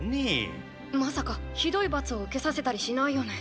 まさかひどい罰を受けさせたりしないよね。